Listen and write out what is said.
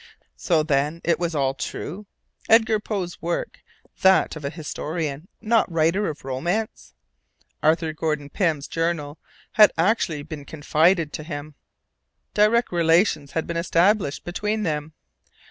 So then it was all true? Edgar Poe's work was that of an historian, not a writer of romance? Arthur Gordon Pym's journal had actually been confided to him! Direct relations had been established between them!